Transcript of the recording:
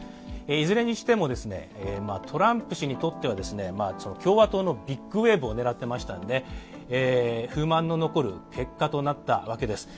いずれにしてもトランプ氏にとっては共和党のビッグウェーブを狙ってましたので不満の残る結果となったわけです。